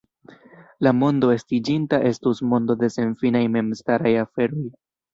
La mondo estiĝinta estus mondo de senfinaj memstaraj aferoj.